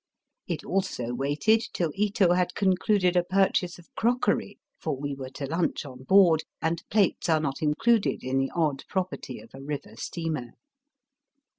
It also waited till Ito had concluded a purchase of crockery, for we were to lunch on board, and plates are not included in the odd property of a river steamer.